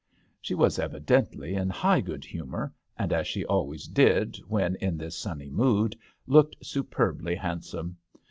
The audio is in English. She was evidently in high good humour, and, as she always did when in this sunny mood, looked superbly handsome.